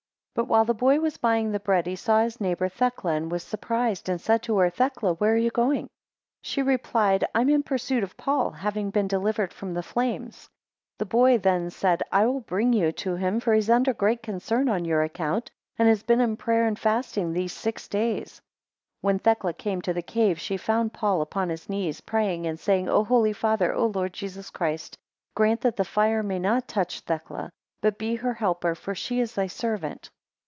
4 But while the boy was buying the bread, he saw his neighbour Thecla, and was surprised, and said to her, Thecla, where are you going? 5 She replied, I am in pursuit of Paul, having been delivered from the flames. 6 The boy then said, I will bring you to him, for he is under great concern on your account, and has been in prayer and fasting these six days. 7 When Thecla came to the cave, she found Paul upon his knees praying and saying, O holy Father, O Lord Jesus Christ, grant that the fire may not touch Thecla; but be her helper, for she is thy servant.